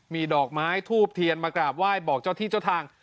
มีดอกไม้ทูบเทียนมากราบไหว้บอกเจ้าที่เจ้าทาง